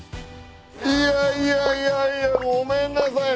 いやいやいやいやごめんなさいね。